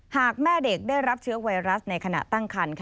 หากแม่เด็กได้รับเชื้อไวรัสในขณะตั้งคัน